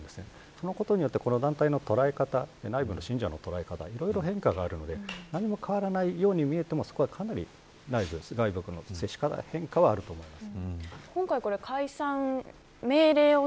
そのことによって団体の捉え方内部の信者の捉え方いろいろ変化があるので何も変わらないように見えてもそこはかなり何かしらの変化はあると思います。